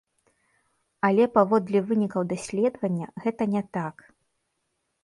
Але паводле вынікаў даследавання, гэта не так.